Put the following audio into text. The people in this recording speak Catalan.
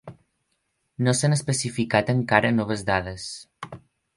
No s'han especificat encara noves dades.